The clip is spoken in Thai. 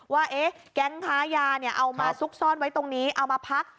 ว่าแก๊งค้ายาเนี่ยเอามาซุกซ่อนไว้ตรงนี้เอามาพัก